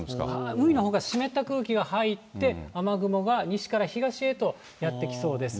海のほうから湿った空気が入って、雨雲が西から東へとやって来そうです。